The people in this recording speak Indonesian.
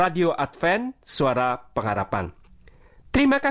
dia yesus tuhan ku